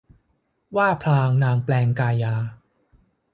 ว่าพลางนางแปลงกายา